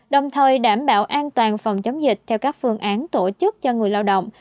đồng thời đảm bảo an toàn phòng chống dịch theo các phương án tổ chức cho người lao động